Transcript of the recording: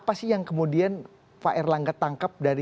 dan apa sih yang kemudian pak erlangga tangkap dari jokowi